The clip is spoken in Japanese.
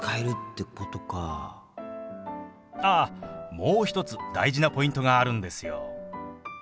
あっもう一つ大事なポイントがあるんですよ。